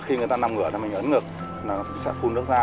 khi người ta nằm ngửa mình ấn ngực mình sẽ cung nước ra